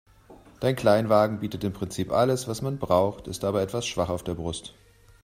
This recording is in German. Dein Kleinwagen bietet im Prinzip alles, was man braucht, ist aber etwas schwach auf der Brust.